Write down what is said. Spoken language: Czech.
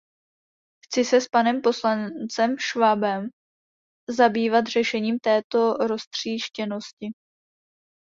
Chci se s panem poslancem Schwabem zabývat řešením této roztříštěnosti.